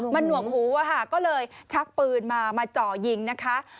มันหนวกหูอะค่ะก็เลยชักปืนมามาจ่อยิงนะคะ